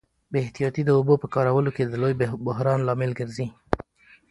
بې احتیاطي د اوبو په کارولو کي د لوی بحران لامل ګرځي.